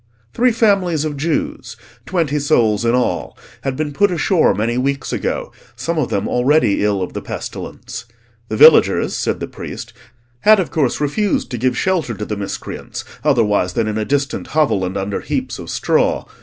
Three families of Jews, twenty souls in all, had been put ashore many weeks ago, some of them already ill of the pestilence. The villagers, said the priest, had of course refused to give shelter to the miscreants, otherwise than in a distant hovel, and under heaps of straw.